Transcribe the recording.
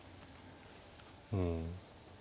うん。